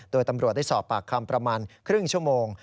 โดยตำรวจได้สอบปากคำประมาณครึ่งชั่วโมง